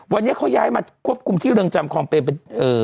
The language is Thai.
วันนี้เขาย้ายมาควบคุมที่เรือนจำคลองเปรมเป็น